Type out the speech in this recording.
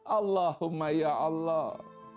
allahumma ya allah